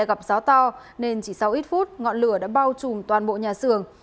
gặp gió to nên chỉ sau ít phút ngọn lửa đã bao trùm toàn bộ nhà xưởng